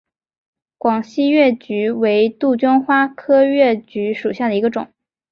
广西越桔为杜鹃花科越桔属下的一个种。